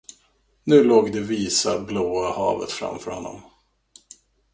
Nu låg det visa, blåa havet framför honom.